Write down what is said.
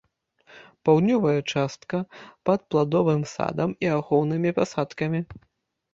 Паўднёвая частка пад пладовым садам і ахоўнымі пасадкамі.